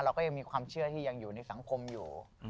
เราก็ยังมีความเชื่อที่ยังอยู่ในสังคมอยู่